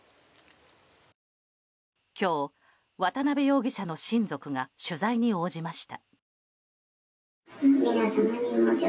今日、渡邉容疑者の親族が取材に応じました。